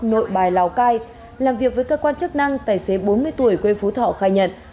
nội bài lào cai làm việc với cơ quan chức năng tài xế bốn mươi tuổi quê phú thọ khai nhận